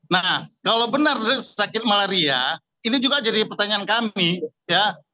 nah kalau benar sakit malaria ini juga jadi pertanyaan kami ya